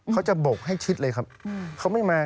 เขาจะโบกให้ชิดเลยครับ